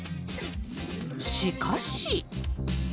しかし。